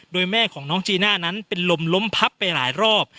โดยแม่ของน้องจีน่านั้นเป็นลมล้มพับไปหลายรอบ